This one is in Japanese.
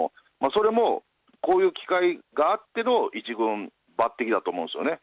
それもこういう機会があっての１軍抜擢だと思うんですよね。